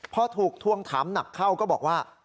พอถูกทวงถามหนักเข้าก็บอกว่า